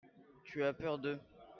Tu as peur d'eux ?